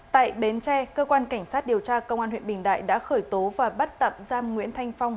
tại bến tre cơ quan cảnh sát điều tra công an huyện bình đại đã khởi tố và bắt tạm giam nguyễn thanh phong